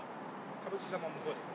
歌舞伎座も向こうですね。